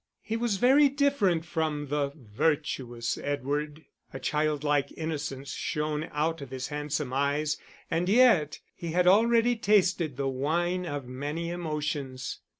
He was very different from the virtuous Edward. A childlike innocence shone out of his handsome eyes, and yet he had already tasted the wine of many emotions.